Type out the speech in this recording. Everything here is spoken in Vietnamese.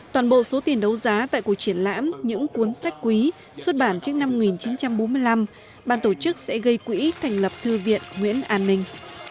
toàn bộ số tiền đấu giá tại cuộc triển lãm những cuốn sách quý xuất bản trước năm một nghìn chín trăm bốn mươi năm ban tổ chức sẽ gây quỹ thành lập thư viện nguyễn an ninh